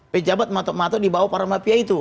pejabat matok matok dibawa para mafia itu